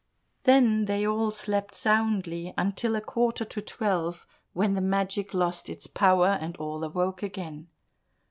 Then they all slept soundly until a quarter to twelve, when the magic lost its power, and all awoke again.